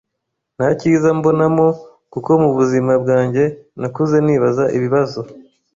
nta cyiza mbonamo kuko mu buzima bwanjye nakuze nibaza ibibazo